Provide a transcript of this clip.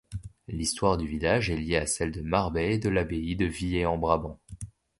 L’histoire du village est liée à celle de Marbais et de l’abbaye de Villers-en-Brabant.